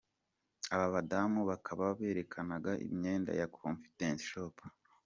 Aba badamu bakaba berekanaga imyenda ya Confidence Shop.